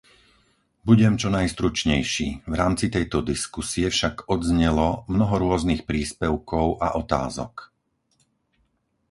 Budem čo najstručnejší, v rámci tejto diskusie však odznelo mnoho rôznych príspevkov a otázok.